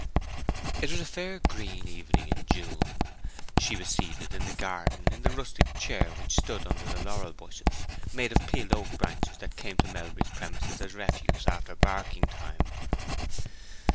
It was a fair green evening in June. She was seated in the garden, in the rustic chair which stood under the laurel bushes—made of peeled oak branches that came to Melbury's premises as refuse after barking time.